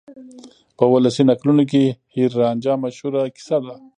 په ولسي نکلونو کې هیر رانجھا مشهوره کیسه ده.